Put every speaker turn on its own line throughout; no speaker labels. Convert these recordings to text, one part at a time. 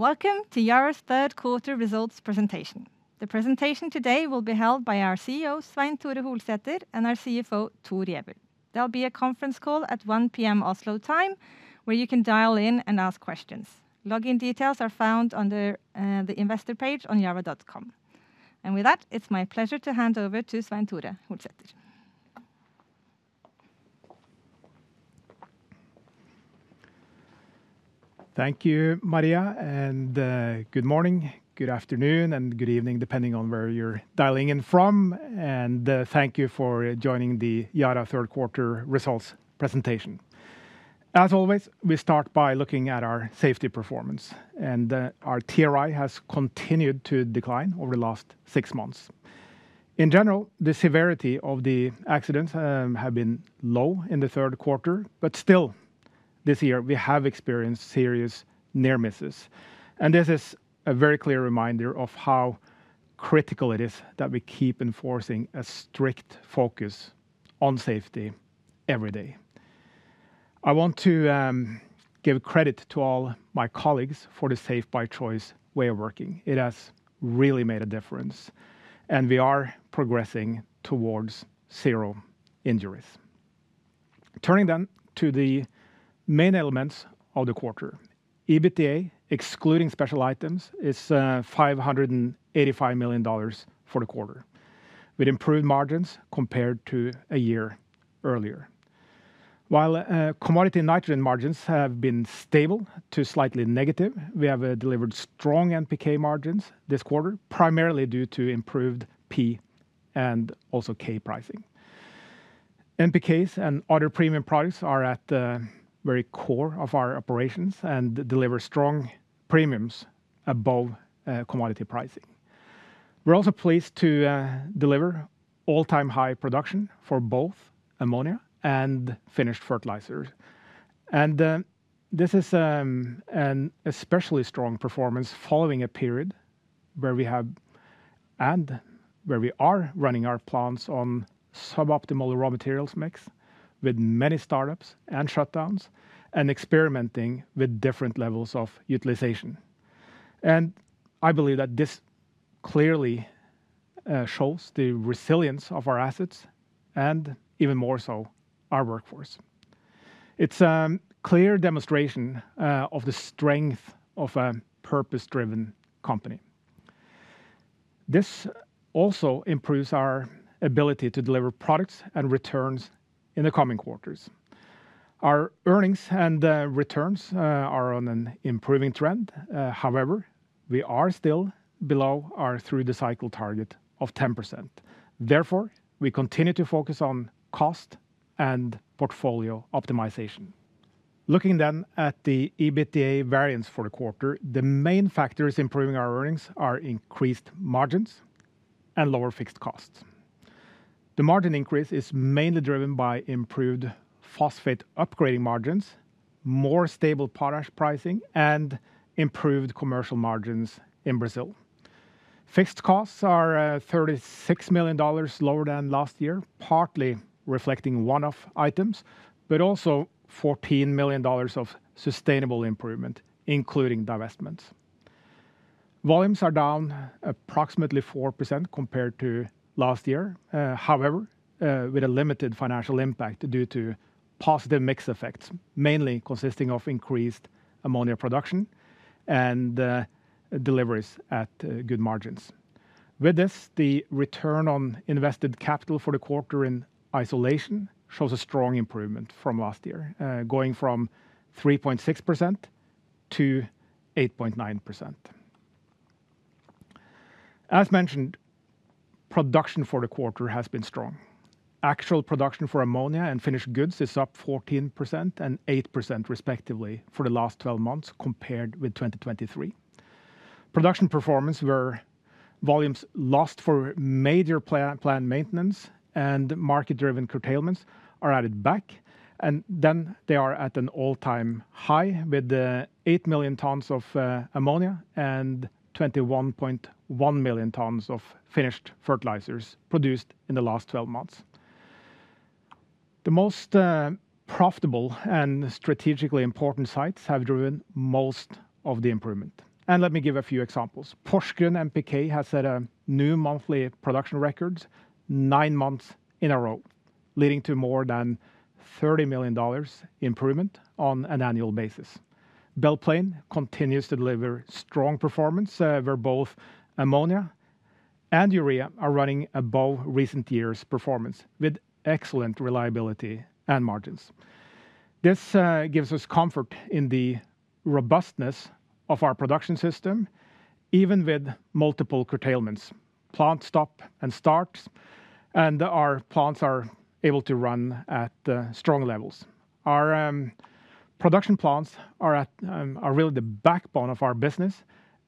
Welcome to Yara's third quarter results presentation. The presentation today will be held by our CEO, Svein Tore Holsether, and our CFO, Thor Giæver. There'll be a conference call at 1:00 P.M. Oslo time, where you can dial in and ask questions. Login details are found under the investor page on yara.com. With that, it's my pleasure to hand over to Svein Tore Holsether.
Thank you, Maria, and good morning, good afternoon, and good evening, depending on where you're dialing in from and thank you for joining the Yara third quarter results presentation. As always, we start by looking at our safety performance, and our TRI has continued to decline over the last six months. In general, the severity of the accidents have been low in the third quarter, but still, this year we have experienced serious near misses, and this is a very clear reminder of how critical it is that we keep enforcing a strict focus on safety every day. I want to give credit to all my colleagues for the Safe by Choice way of working. It has really made a difference, and we are progressing towards zero injuries. Turning then to the main elements of the quarter. EBITDA, excluding special items, is $585 million for the quarter, with improved margins compared to a year earlier. While commodity nitrogen margins have been stable to slightly negative, we have delivered strong NPK margins this quarter, primarily due to improved P and also K pricing. NPKs and other premium products are at the very core of our operations and deliver strong premiums above commodity pricing. We're also pleased to deliver all-time high production for both ammonia and finished fertilizers, and this is an especially strong performance following a period where we have and where we are running our plants on suboptimal raw materials mix, with many startups and shutdowns, and experimenting with different levels of utilization. I believe that this clearly shows the resilience of our assets and even more so, our workforce. It's a clear demonstration of the strength of a purpose-driven company. This also improves our ability to deliver products and returns in the coming quarters. Our earnings and returns are on an improving trend, however, we are still below our through the cycle target of 10%. Therefore, we continue to focus on cost and portfolio optimization. Looking then at the EBITDA variance for the quarter, the main factors improving our earnings are increased margins and lower fixed costs. The margin increase is mainly driven by improved phosphate upgrading margins, more stable potash pricing, and improved commercial margins in Brazil. Fixed costs are $36 million lower than last year, partly reflecting one-off items, but also $14 million of sustainable improvement, including divestments. Volumes are down approximately 4% compared to last year, however, with a limited financial impact due to positive mix effects, mainly consisting of increased ammonia production and deliveries at good margins. With this, the return on invested capital for the quarter in isolation shows a strong improvement from last year, going from 3.6%-8.9%. As mentioned, production for the quarter has been strong. Actual production for ammonia and finished goods is up 14% and 8%, respectively, for the last twelve months, compared with 2023. Production performance where volumes lost for major planned maintenance and market-driven curtailments are added back, and then they are at an all-time high, with 8 million tons of ammonia and 21.1 million tons of finished fertilizers produced in the last twelve months. The most profitable and strategically important sites have driven most of the improvement, and let me give a few examples. Porsgrunn NPK has set new monthly production records nine months in a row, leading to more than $30 million improvement on an annual basis. Belle Plaine continues to deliver strong performance, where both ammonia and urea are running above recent years' performance with excellent reliability and margins. This gives us comfort in the robustness of our production system, even with multiple curtailments. Plants stop and start, and our plants are able to run at strong levels. Our production plants are really the backbone of our business,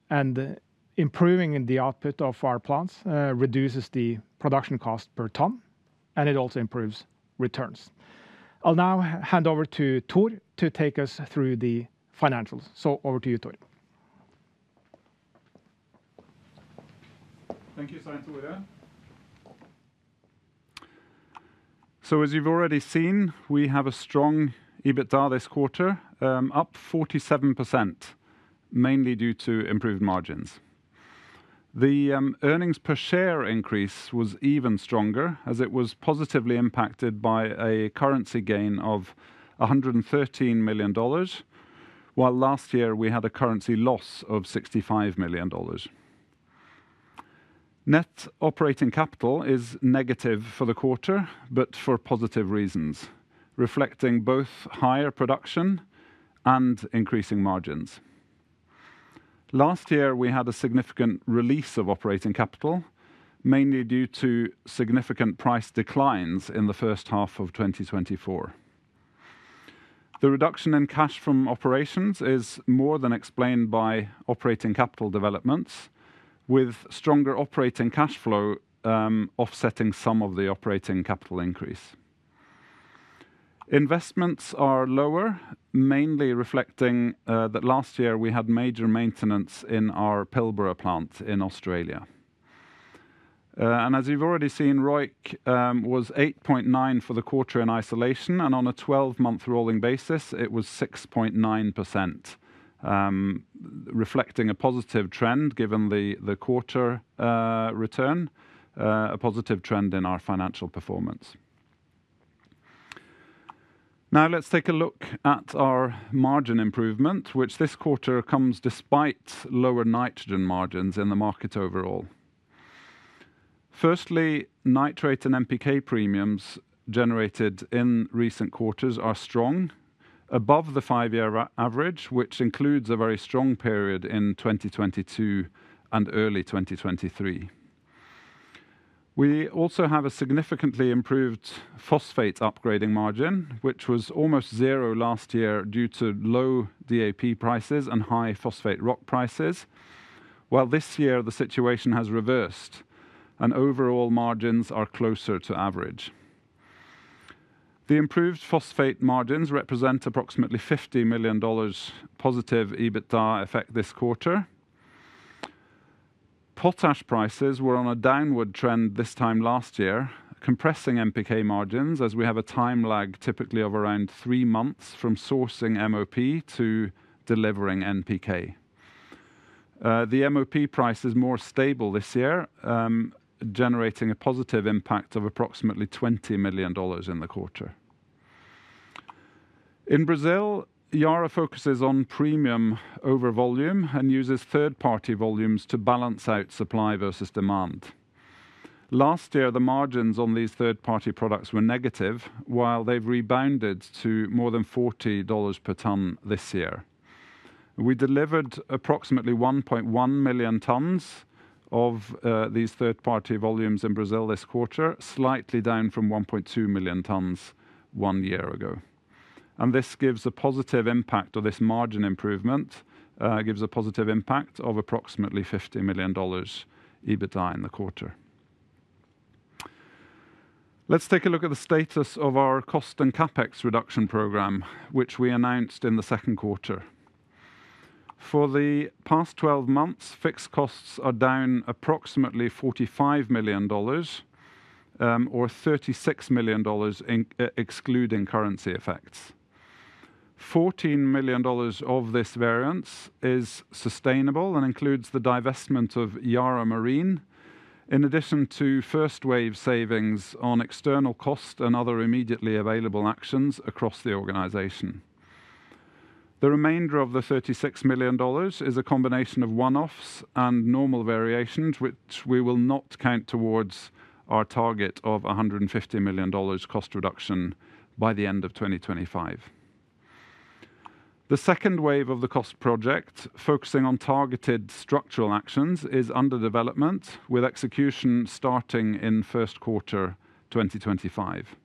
and improving the output of our plants reduces the production cost per ton, and it also improves returns. I'll now hand over to Thor to take us through the financials. So over to you, Thor.
Thank you, Svein Tore. As you've already seen, we have a strong EBITDA this quarter, up 47%, mainly due to improved margins. The earnings per share increase was even stronger, as it was positively impacted by a currency gain of $113 million, while last year we had a currency loss of $65 million. Net operating capital is negative for the quarter, but for positive reasons, reflecting both higher production and increasing margins. Last year, we had a significant release of operating capital, mainly due to significant price declines in the first half of 2024. The reduction in cash from operations is more than explained by operating capital developments, with stronger operating cash flow offsetting some of the operating capital increase. Investments are lower, mainly reflecting that last year we had major maintenance in our Pilbara plant in Australia. As you've already seen, ROIC was 8.9% for the quarter in isolation, and on a 12-month rolling basis, it was 6.9%, reflecting a positive trend in our financial performance. Now, let's take a look at our margin improvement, which this quarter comes despite lower nitrogen margins in the market overall. Firstly, nitrate and NPK premiums generated in recent quarters are strong, above the five-year average, which includes a very strong period in 2022 and early 2023. We also have a significantly improved phosphate upgrading margin, which was almost zero last year due to low DAP prices and high phosphate rock prices, while this year the situation has reversed, and overall margins are closer to average. The improved phosphate margins represent approximately $50 million positive EBITDA effect this quarter. Potash prices were on a downward trend this time last year, compressing NPK margins, as we have a time lag typically of around three months from sourcing MOP to delivering NPK. The MOP price is more stable this year, generating a positive impact of approximately $20 million in the quarter. In Brazil, Yara focuses on premium over volume and uses third-party volumes to balance out supply versus demand. Last year, the margins on these third-party products were negative, while they've rebounded to more than $40 per ton this year. We delivered approximately 1.1 million tons of these third-party volumes in Brazil this quarter, slightly down from 1.2 million tons one year ago. This gives a positive impact, or this margin improvement, gives a positive impact of approximately $50 million EBITDA in the quarter. Let's take a look at the status of our cost and CapEx reduction program, which we announced in the second quarter. For the past 12 months, fixed costs are down approximately $45 million, or $36 million excluding currency effects. $14 million of this variance is sustainable and includes the divestment of Yara Marine, in addition to first wave savings on external cost and other immediately available actions across the organization. The remainder of the $36 million is a combination of one-offs and normal variations, which we will not count towards our target of $150 million cost reduction by the end of 2025. The second wave of the cost project, focusing on targeted structural actions, is under development, with execution starting in first quarter 2025.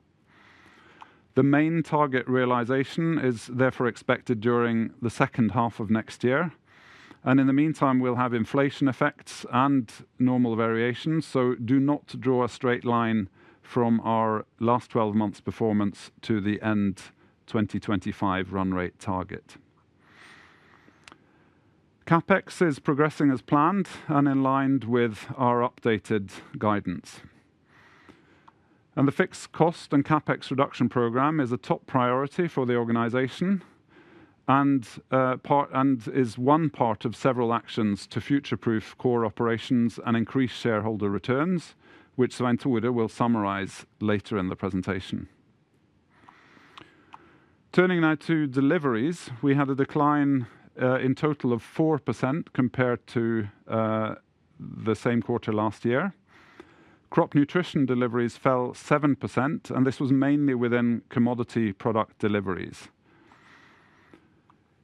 The main target realization is therefore expected during the second half of next year, and in the meantime, we'll have inflation effects and normal variations, so do not draw a straight line from our last twelve months performance to the end 2025 run rate target. CapEx is progressing as planned and in line with our updated guidance. The fixed cost and CapEx reduction program is a top priority for the organization and is one part of several actions to future-proof core operations and increase shareholder returns, which Svein Tore will summarize later in the presentation. Turning now to deliveries, we had a decline in total of 4% compared to the same quarter last year. Crop nutrition deliveries fell 7%, and this was mainly within commodity product deliveries.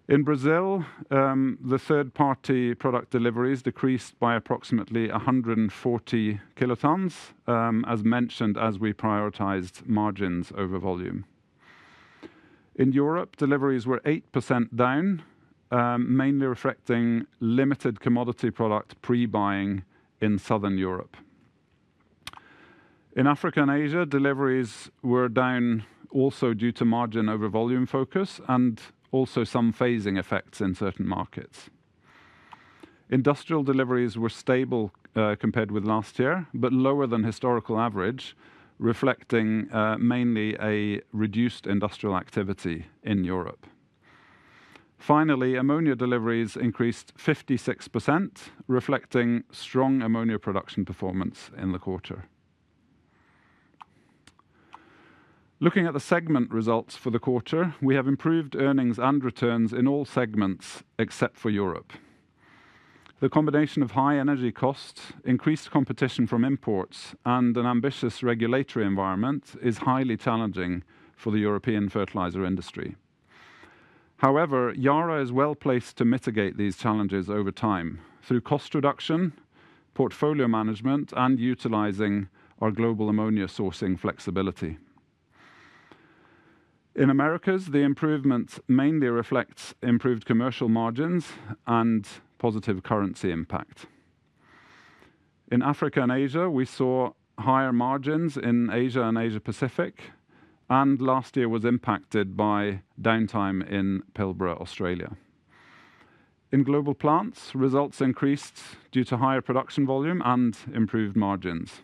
In Brazil, the third-party product deliveries decreased by approximately 140 kilotons, as mentioned, as we prioritized margins over volume. In Europe, deliveries were 8% down, mainly reflecting limited commodity product pre-buying in Southern Europe. In Africa and Asia, deliveries were down also due to margin over volume focus and also some phasing effects in certain markets. Industrial deliveries were stable, compared with last year, but lower than historical average, reflecting mainly a reduced industrial activity in Europe. Finally, ammonia deliveries increased 56%, reflecting strong ammonia production performance in the quarter. Looking at the segment results for the quarter, we have improved earnings and returns in all segments except for Europe. The combination of high energy costs, increased competition from imports, and an ambitious regulatory environment is highly challenging for the European fertilizer industry. However, Yara is well-placed to mitigate these challenges over time through cost reduction, portfolio management, and utilizing our global ammonia sourcing flexibility. In Americas, the improvement mainly reflects improved commercial margins and positive currency impact. In Africa and Asia, we saw higher margins in Asia and Asia Pacific, and last year was impacted by downtime in Pilbara, Australia. In Global Plants, results increased due to higher production volume and improved margins.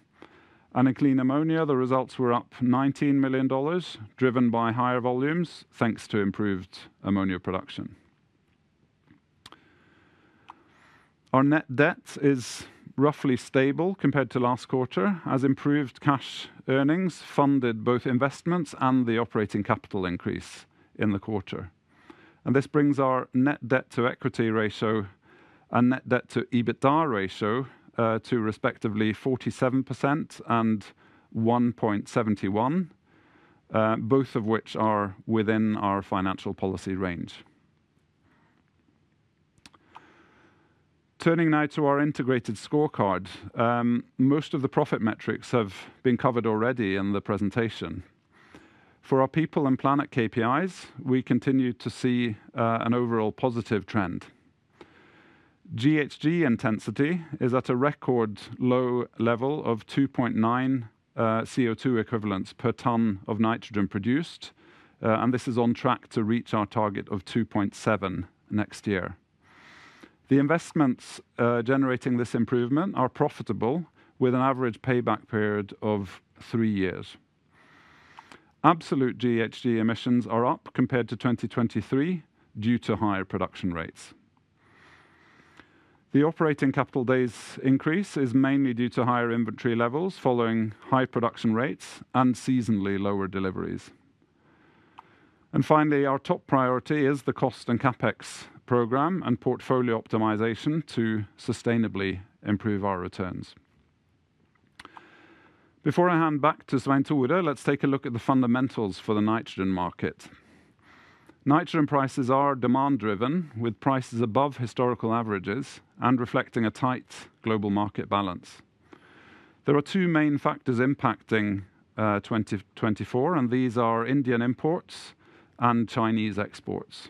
In Clean Ammonia, the results were up $19 million, driven by higher volumes, thanks to improved ammonia production. Our net debt is roughly stable compared to last quarter, as improved cash earnings funded both investments and the operating capital increase in the quarter and this brings our net debt to equity ratio and net debt to EBITDA ratio to respectively 47% and 1.71%, both of which are within our financial policy range. Turning now to our integrated scorecard. Most of the profit metrics have been covered already in the presentation. For our people and planet KPIs, we continue to see an overall positive trend. GHG intensity is at a record low level of 2.9 CO2 equivalents per ton of nitrogen produced, and this is on track to reach our target of 2.7 next year. The investments, generating this improvement are profitable, with an average payback period of three years. Absolute GHG emissions are up compared to 2023 due to higher production rates. The operating capital days increase is mainly due to higher inventory levels following high production rates and seasonally lower deliveries. Finally, our top priority is the cost and CapEx program and portfolio optimization to sustainably improve our returns. Before I hand back to Svein Tore, let's take a look at the fundamentals for the nitrogen market. Nitrogen prices are demand-driven, with prices above historical averages and reflecting a tight global market balance. There are two main factors impacting 2024, and these are Indian imports and Chinese exports.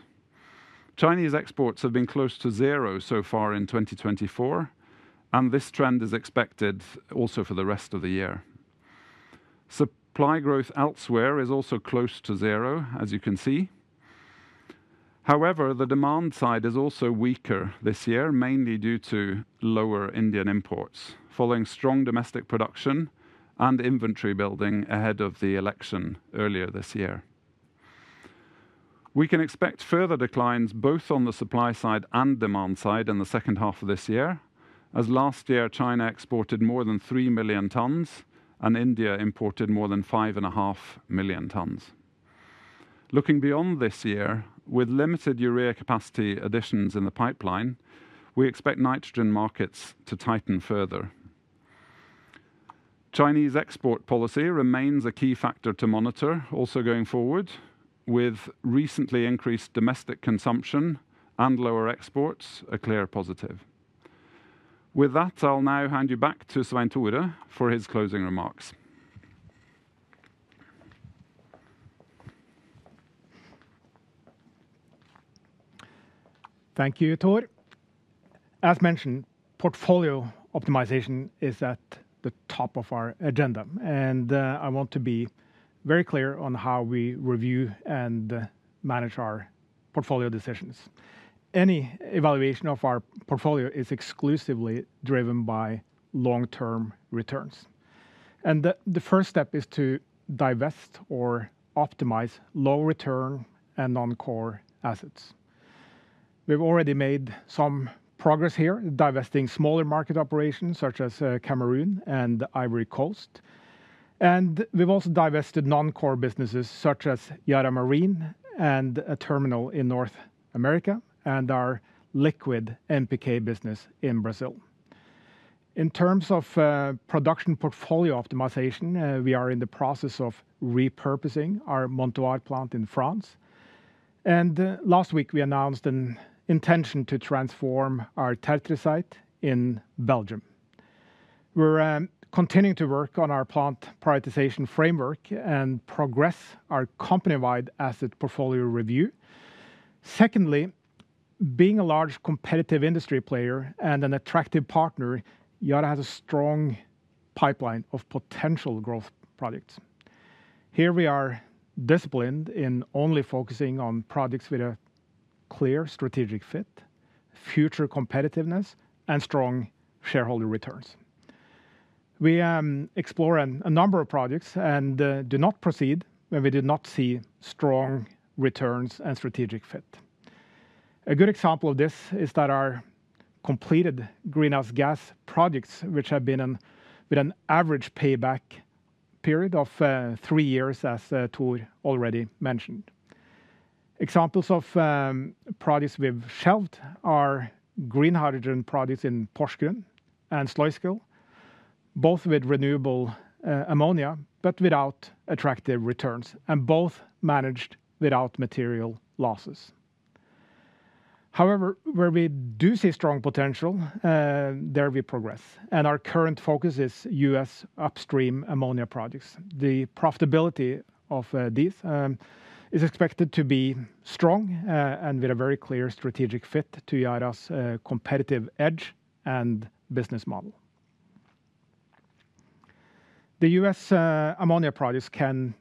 Chinese exports have been close to zero so far in 2024 and this trend is expected also for the rest of the year. Supply growth elsewhere is also close to zero, as you can see. However, the demand side is also weaker this year, mainly due to lower Indian imports, following strong domestic production and inventory building ahead of the election earlier this year. We can expect further declines, both on the supply side and demand side, in the second half of this year, as last year, China exported more than three million tons, and India imported more than five and a half million tons. Looking beyond this year, with limited urea capacity additions in the pipeline, we expect nitrogen markets to tighten further. Chinese export policy remains a key factor to monitor, also going forward, with recently increased domestic consumption and lower exports, a clear positive. With that, I'll now hand you back to Svein Tore for his closing remarks.
Thank you, Thor. As mentioned, portfolio optimization is at the top of our agenda, and I want to be very clear on how we review and manage our portfolio decisions. Any evaluation of our portfolio is exclusively driven by long-term returns, and the first step is to divest or optimize low return and non-core assets. We've already made some progress here, divesting smaller market operations, such as Cameroon and Ivory Coast, and we've also divested non-core businesses, such as Yara Marine and a terminal in North America, and our liquid NPK business in Brazil. In terms of production portfolio optimization, we are in the process of repurposing our Montoir plant in France, and last week, we announced an intention to transform our Tertre site in Belgium. We're continuing to work on our plant prioritization framework and progress our company-wide asset portfolio review. Secondly, being a large competitive industry player and an attractive partner, Yara has a strong pipeline of potential growth products. Here we are disciplined in only focusing on projects with a clear strategic fit, future competitiveness, and strong shareholder returns. We explore a number of projects and do not proceed when we did not see strong returns and strategic fit. A good example of this is that our completed greenhouse gas projects, which have been with an average payback period of three years, as Thor already mentioned. Examples of projects we've shelved are green hydrogen projects in Porsgrunn and Sluiskil, both with renewable ammonia, but without attractive returns, and both managed without material losses. However, where we do see strong potential, there we progress, and our current focus is U.S. upstream ammonia projects. The profitability of these is expected to be strong, and with a very clear strategic fit to Yara's competitive edge and business model. The U.S. ammonia projects can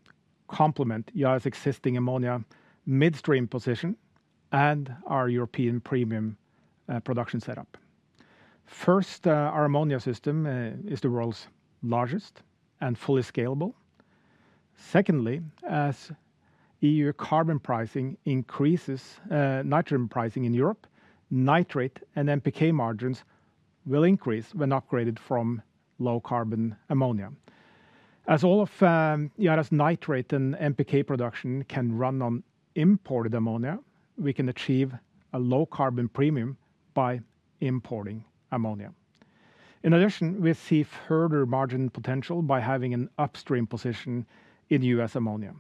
complement Yara's existing ammonia midstream position and our European premium production setup. First, our ammonia system is the world's largest and fully scalable. Secondly, as E.U. carbon pricing increases, nitrogen pricing in Europe, nitrate and NPK margins will increase when upgraded from low-carbon ammonia. As all of Yara's nitrate and NPK production can run on imported ammonia, we can achieve a low-carbon premium by importing ammonia. In addition, we see further margin potential by having an upstream position in U.S. ammonia.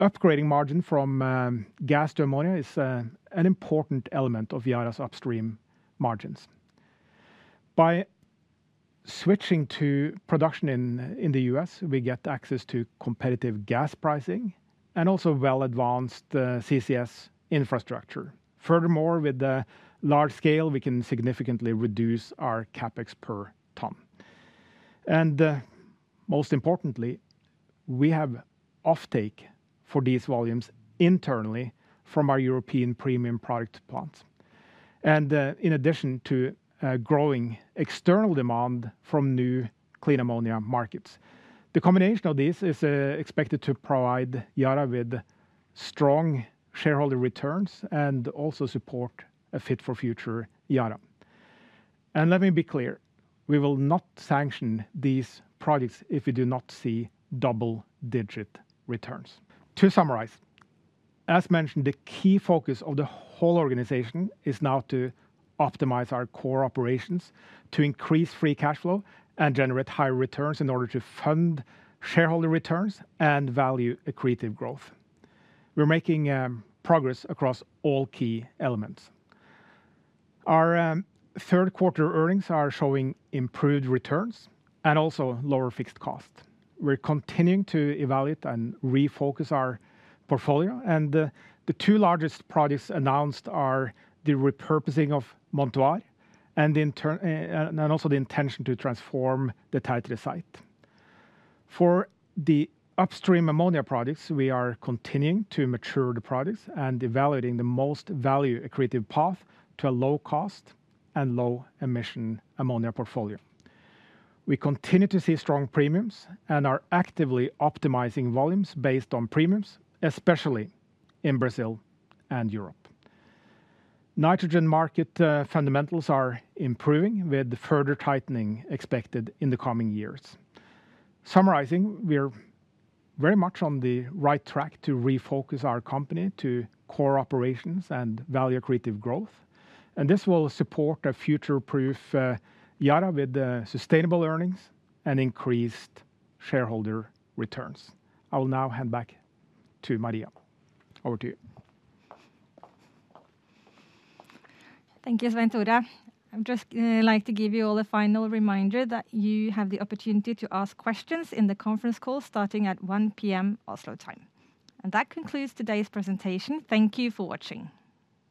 Upgrading margin from gas to ammonia is an important element of Yara's upstream margins. By switching to production in the U.S., we get access to competitive gas pricing and also well-advanced CCS infrastructure. Furthermore, with the large scale, we can significantly reduce our CapEx per ton. Most importantly, we have offtake for these volumes internally from our European premium product plants and in addition to a growing external demand from new clean ammonia markets. The combination of this is expected to provide Yara with strong shareholder returns and also support a fit-for-future Yara. Let me be clear, we will not sanction these projects if we do not see double-digit returns. To summarize, as mentioned, the key focus of the whole organization is now to optimize our core operations to increase free cash flow and generate higher returns in order to fund shareholder returns and value accretive growth. We're making progress across all key elements. Our third quarter earnings are showing improved returns and also lower fixed cost. We're continuing to evaluate and refocus our portfolio, and the two largest projects announced are the repurposing of Montoir and also the intention to transform the Tertre site. For the upstream ammonia projects, we are continuing to mature the projects and evaluating the most value-accretive path to a low-cost and low-emission ammonia portfolio. We continue to see strong premiums and are actively optimizing volumes based on premiums, especially in Brazil and Europe. Nitrogen market fundamentals are improving, with further tightening expected in the coming years. Summarizing, we're very much on the right track to refocus our company to core operations and value-accretive growth, and this will support a future-proof Yara with sustainable earnings and increased shareholder returns. I will now hand back to Maria. Over to you.
Thank you, Svein Tore. I'd just like to give you all a final reminder that you have the opportunity to ask questions in the conference call starting at 1:00 P.M. Oslo time. That concludes today's presentation. Thank you for watching.